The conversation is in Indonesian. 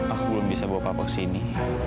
aku belum bisa bawa papa kesini